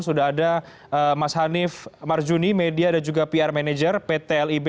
sudah ada mas hanif marjuni media dan juga pr manager pt lib